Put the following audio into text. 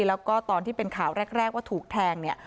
แล้วก็ตอนที่เป็นข่าวแรกว่าถูกแทงเนี่ย